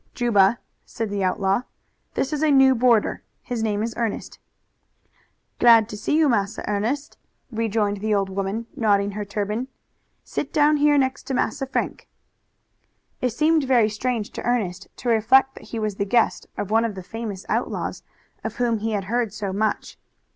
"Juba," said the outlaw, "this is a new boarder. His name is Ernest." "Glad to see you, Massa Ernest," rejoined the old woman, nodding her turban. "Sit down here next to Massa Frank." It seemed very strange to Ernest to reflect that he was the guest of one of the famous outlaws of whom he had heard so much.